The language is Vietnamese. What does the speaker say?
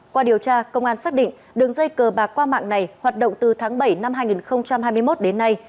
qua điều tra công an xác định đường dây cờ bạc qua mạng này hoạt động từ tháng bảy năm hai nghìn hai mươi một đến nay